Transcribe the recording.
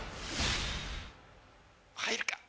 入るか？